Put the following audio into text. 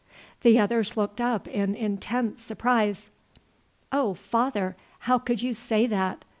'" The others looked up in intense surprise. "Oh, father, how could you say that?"